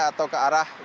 atau ke arah yang lain